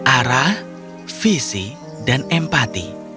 arah visi dan empati